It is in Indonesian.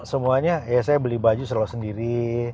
semuanya ya saya beli baju selalu sendiri